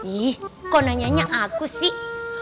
wih kok nanyanya aku sih